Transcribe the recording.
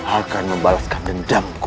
aku akan membalaskan dendamku